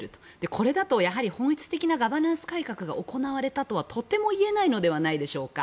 これだとやはり本質的なガバナンス改革が行われたとはとても言えないのではないでしょうか。